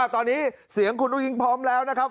ตอนนี้เสียงคุณอุ้งพร้อมแล้วนะครับ